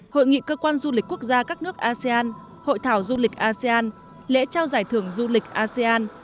hội nghị cơ quan du lịch quốc gia các nước asean hội thảo du lịch asean lễ trao giải thưởng du lịch asean